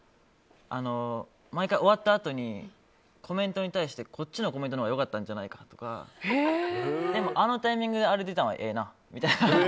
毎回終わったあとにコメントに対してこっちのコメントのほうが良かったんじゃないかとかでも、あのタイミングであれが出たのはええなみたいな。